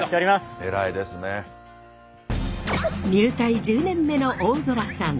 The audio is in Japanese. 入隊１０年目の大空さん。